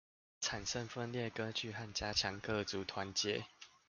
剷除分裂割據與加強各族團結